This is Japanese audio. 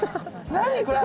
何これ！